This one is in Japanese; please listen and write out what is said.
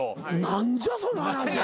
何じゃその話。